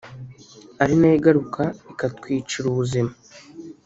ari nayo igaruka ikatwicira ubuzima